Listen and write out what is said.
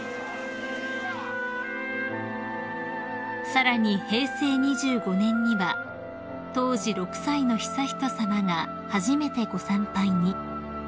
［さらに平成２５年には当時６歳の悠仁さまが初めてご参拝に］